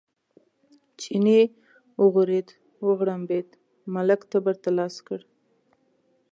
چیني وغورېد، وغړمبېد، ملک تبر ته لاس کړ.